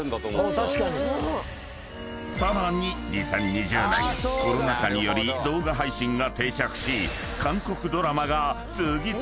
［さらに２０２０年コロナ禍により動画配信が定着し］